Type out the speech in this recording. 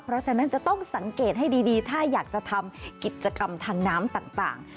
เพราะฉะนั้นจะต้องสังเกตให้ดีถ้าอยากจะทำกิจกรรมทางน้ำต่าง